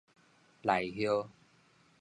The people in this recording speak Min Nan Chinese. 鶆鴞